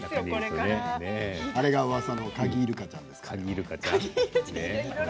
あれがうわさの鍵イルカちゃんですか。